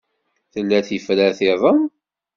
Tella tifrat-iḍen?